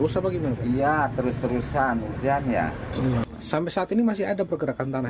sampai saat ini masih ada pergerakan tanah